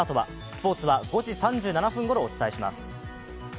スポーツは５時３７分ごろお伝えします。